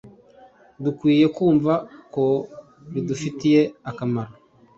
dukwiye kumva ko bidufitiye akamaro,